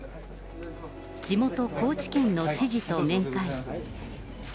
地元、高知県の知事と面会。